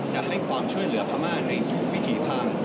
จะให้ความช่วยเหลือพม่าในทุกวิถีทาง